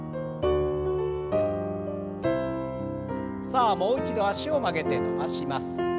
さあもう一度脚を曲げて伸ばします。